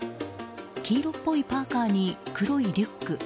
黄色っぽいパーカに黒いリュック。